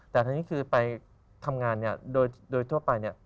แต่ทีนี้คือไปทำงานโดยทั่วไป